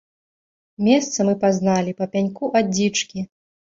Месца мы пазналі па пяньку ад дзічкі.